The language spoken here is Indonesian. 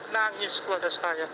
nangis kepada saya